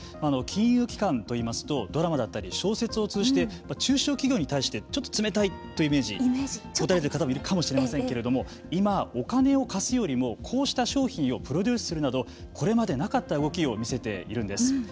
金融機関といいますとドラマだったり小説を通じて中小企業に対してちょっと冷たいというイメージ持たれている方もいるかもしれませんけれども今、お金を貸すよりもこうした商品をプロデュースするなどこれまでなかった動きを見せているんです。